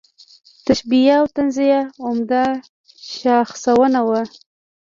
تشبیه او تنزیه عمده شاخصونه وو.